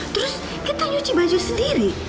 terus kita nyuci baju sendiri